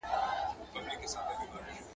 ږيره زما، اختيار ئې د قاضي غلام.